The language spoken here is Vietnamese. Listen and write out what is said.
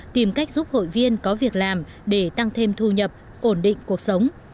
tìm cách giúp hội viên có việc làm để tăng thêm thu nhập ổn định cuộc sống